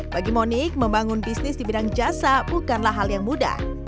bagi moniq membangun bisnis di bidang jasa bukanlah hal yang mudah